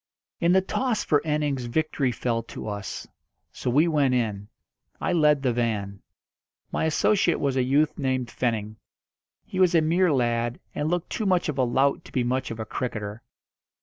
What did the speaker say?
In the toss for innings victory fell to us. So we went in. I led the van. My associate was a youth named Fenning. He was a mere lad, and looked too much of a lout to be much of a cricketer.